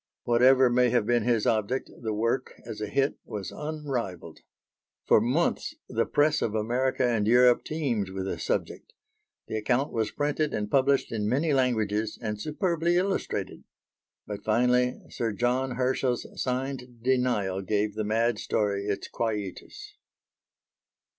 Whatever may have been his object, the work, as a hit, was unrivalled. For months the press of America and Europe teemed with the subject; the account was printed and published in many languages and superbly illustrated. But, finally, Sir John Herschel's signed denial gave the mad story its quietus.